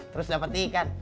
terus dapet ikan